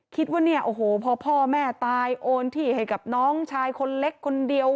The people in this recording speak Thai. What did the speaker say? คิดว่าเนี่ยโอ้โหพอพ่อแม่ตายโอนที่ให้กับน้องชายคนเล็กคนเดียว